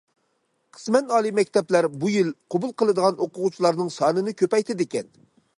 قىسمەن ئالىي مەكتەپلەر بۇ يىل قوبۇل قىلىدىغان ئوقۇغۇچىلارنىڭ سانىنى كۆپەيتىدىكەن.